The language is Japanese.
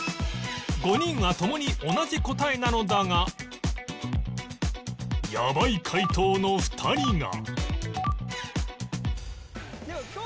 ５人は共に同じ答えなのだがやばい解答の２人が